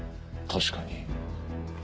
確かに。